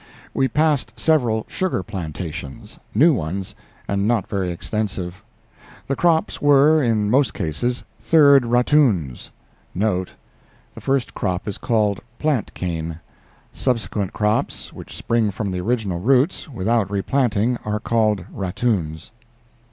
We passed several sugar plantations—new ones and not very extensive. The crops were, in most cases, third rattoons. [NOTE.—The first crop is called "plant cane;" subsequent crops which spring from the original roots, without replanting are called "rattoons."